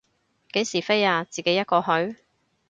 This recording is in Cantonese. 幾時飛啊，自己一個去？